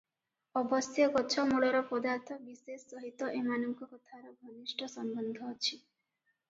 ଅବଶ୍ୟ ଗଛମୂଳର ପଦାର୍ଥ ବିଶେଷ ସହିତ ଏମାନଙ୍କ କଥାର ଘନିଷ୍ଠ ସମ୍ବନ୍ଧ ଅଛି ।